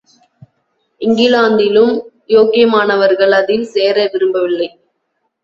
இங்கிலாந்திலும் யோக்கியமானவர்கள் அதில் சேர விரும்பவில்லை.